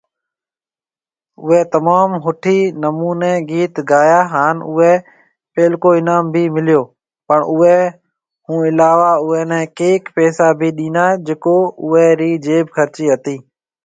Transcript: اوئي تموم ۿٺي نموني گيت گايا هان اوئي پهلڪو انعام بِي مليو، پڻ اوئي ھونعلاوه اوئي ني ڪئينڪ پئسا بِي ڏينا جڪو اوئي ري جيب خرچي هتي۔